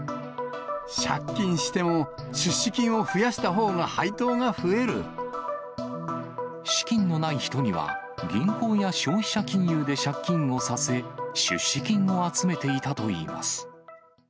借金しても出資金を増やした資金のない人には、銀行や消費者金融で借金をさせ、出資金を集めていたといいます。